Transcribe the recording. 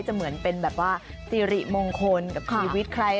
เหมือนเป็นแบบว่าสิริมงคลกับชีวิตใคร